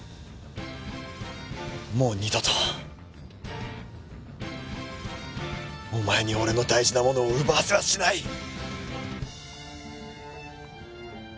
もう二度とお前に俺の大事なものを奪わせはしない。